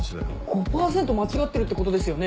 ５％間違ってるってことですよね？